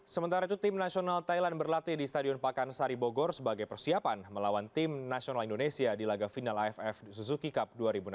sementara itu tim nasional thailand berlatih di stadion pakansari bogor sebagai persiapan melawan tim nasional indonesia di laga final aff suzuki cup dua ribu enam belas